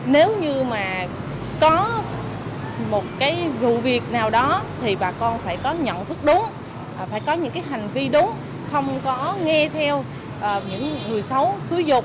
nếu như mà có một cái vụ việc nào đó thì bà con phải có nhận thức đúng phải có những hành vi đúng không có nghe theo những người xấu xúi dục